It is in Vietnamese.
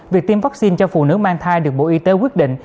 việc tiêm vaccine cho phụ nữ mang thai được bộ y tế quyết định